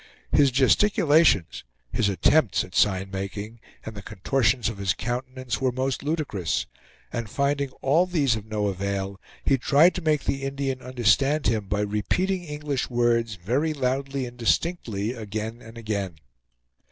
His gesticulations, his attempts at sign making, and the contortions of his countenance, were most ludicrous; and finding all these of no avail, he tried to make the Indian understand him by repeating English words very loudly and distinctly again and again.